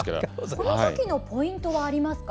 この時のポイントはありますか？